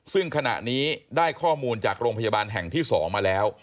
ซึ่งขณะนี้ได้ข้อมูลจากโรงพยาบาลแห่งที่๒มาแล้ว